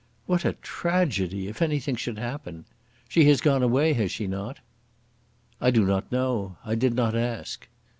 "What a tragedy, if anything should happen! She has gone away; has she not." "I do not know. I did not ask."